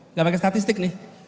nggak pakai statistik nih